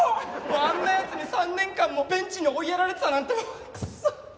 もうあんなヤツに３年間もベンチに追いやられてたなんてクソッ。